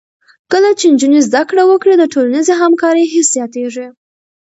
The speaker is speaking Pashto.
کله چې نجونې زده کړه وکړي، د ټولنیزې همکارۍ حس زیاتېږي.